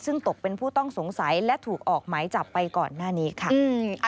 ซึ่งตกเป็นผู้ต้องสงสัยและถูกออกหมายจับไปก่อนหน้านี้ค่ะ